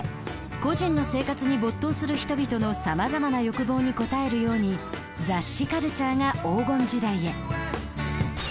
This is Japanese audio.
個人の生活に没頭する人々のさまざまな欲望に応えるように雑誌カルチャーが黄金時代へ。